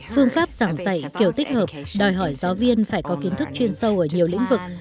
phương pháp giảng dạy kiểu tích hợp đòi hỏi giáo viên phải có kiến thức chuyên sâu ở nhiều lĩnh vực